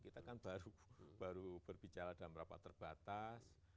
kita kan baru berbicara dalam rapat terbatas